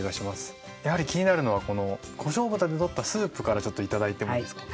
やはり気になるのはこのこしょう豚でとったスープからちょっと頂いてもいいですか。